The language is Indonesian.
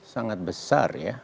sangat besar ya